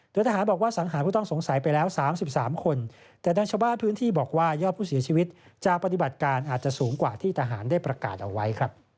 โดยทหารบอกว่าสังหารผู้ต้องสงสัยไปแล้ว๓๓คนแต่ดังชาวบ้านพื้นที่บอกว่ายอดผู้เสียชีวิตจากปฏิบัติการอาจจะสูงกว่าที่ทหารได้ประกาศเอาไว้